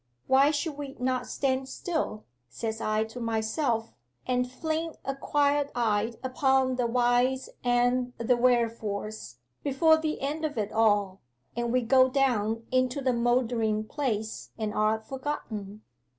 Why should we not stand still, says I to myself, and fling a quiet eye upon the Whys and the Wherefores, before the end o' it all, and we go down into the mouldering place, and are forgotten?